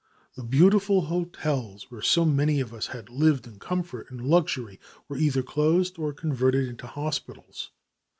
The beautiful hotels, where so many of us had lived in comfort and luxury, were either closed or converted into hospitals.